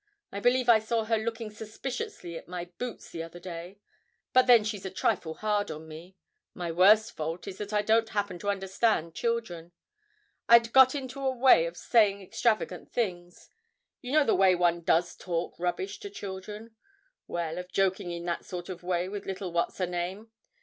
I believe I saw her looking suspiciously at my boots the other day; but then she's a trifle hard on me. My worst fault is that I don't happen to understand children. I'd got into a way of saying extravagant things; you know the way one does talk rubbish to children; well, of joking in that sort of way with little What's her name.